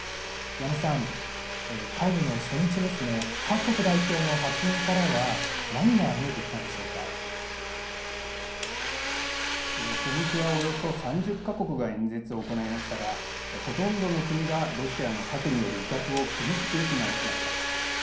矢野さん、会議の初日ですね、各国代表の発言からは、何が見えて初日はおよそ３０か国が演説を行いましたが、ほとんどの国が、ロシアの核による威嚇を厳しく非難しました。